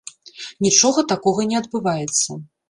Нічога такога не адбываецца.